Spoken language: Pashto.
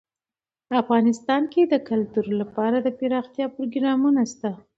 افغانستان کې د کلتور لپاره دپرمختیا پروګرامونه شته.